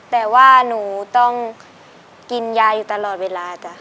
แต่ว่าหนูต้องกินยาอยู่ตลอดเวลาจ้ะ